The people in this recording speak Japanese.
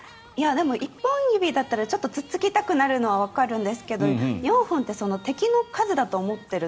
でも、一本指だったら突っつきたくなるのはわかるんですけど４本って敵の数だと思っている？